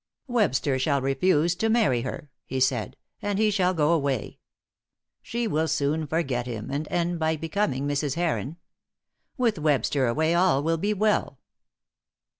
"Webster shall refuse to marry her," he said, "and he shall go away. She will soon forget him, and end by becoming Mrs. Heron. With Webster away all will be well."